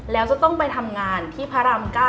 แล้วจะต้องไปทำงานที่พระราม๙